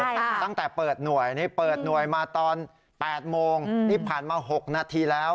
ตั้งแต่เปิดหน่วยนี่เปิดหน่วยมาตอน๘โมงที่ผ่านมา๖นาทีแล้ว